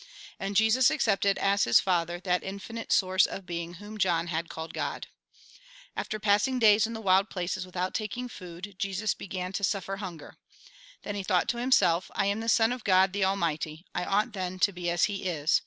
And Jesus accepted as his Father, that iufinite source of being whom John had called God. 167 l68 THE GOSPEL IN BRIEF After passing days in the wild places without taking food, Jesus began to suffer hunger. Then he thought to himself, " I am the Son of God the Almighty ; I ought, then, to be as He is.